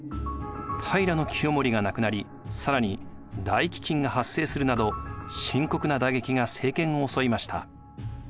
平清盛が亡くなり更に大飢饉が発生するなど深刻な打撃が政権を襲いました。